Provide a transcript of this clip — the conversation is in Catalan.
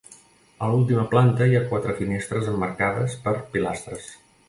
A l'última planta hi ha quatre finestres emmarcades per pilastres.